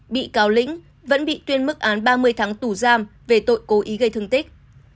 bị cáo lĩnh vẫn bị tuyên mức án ba mươi tháng tù giam về tội cố ý gây thương tích